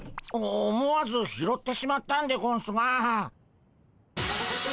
お思わず拾ってしまったんでゴンスが。